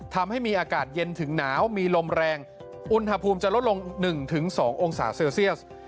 ทำให้มีอากาศเย็นถึงหนาวมีลมแรงอุณหภูมิจะลดลง๑๒องศาเซลเซียส